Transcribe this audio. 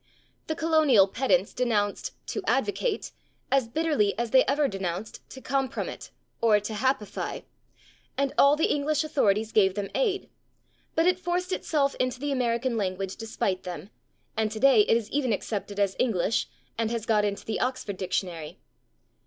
The colonial pedants denounced /to advocate/ as bitterly as they ever denounced /to compromit/ or /to happify/, and all the English authorities gave them aid, but it forced itself into the American language despite them, and today it is even accepted as English and has got into the Oxford Dictionary.